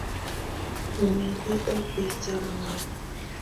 Umeleta pesa ngapi?